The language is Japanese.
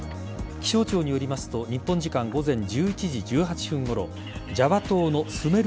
気象庁によりますと日本時間午前１１時１８分ごろジャワ島のスメル